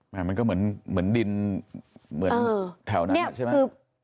มันก็เหมือนดินเหมือนแถวนั้นใช่ไหม